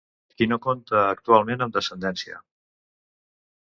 Qui no compta actualment amb descendència.